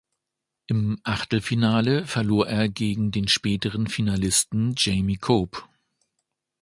Im Achtelfinale verlor er gegen den späteren Finalisten Jamie Cope.